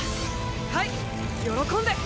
はい喜んで。